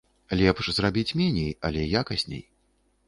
Лепш зрабіць меней, але якасней.